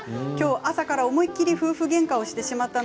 朝から思い切り夫婦げんかをしてしまいました。